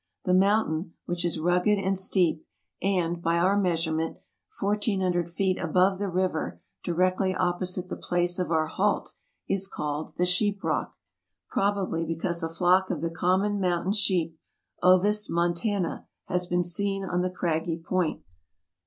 The mountain, which is rugged and steep, and, by our measurement, 1400 feet above the river directly opposite the place of our halt, is called the Sheep Rock — probably because a flock of the common mountain sheep (Ovis montana) had been seen on the craggy point.